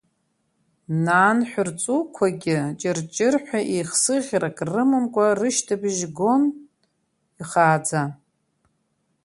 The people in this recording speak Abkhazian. Нанҳәрҵуқәагьы ҷыр-ҷыр ҳәа еихсыӷьрак рымамкәа рышьҭыбжь гон, ихааӡа.